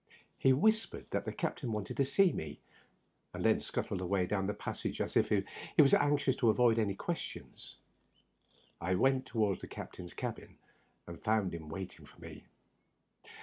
He whispered that the captain wanted to see me, and then scuttled away down the pas sage as if very anxious to avoid any questions. I went toward the captain's cabin, and found him waiting for me.